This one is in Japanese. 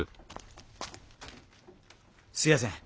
すいやせん。